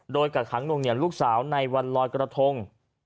โดยกักขังนวงเหนียวลูกสาวในวันลอยกระทง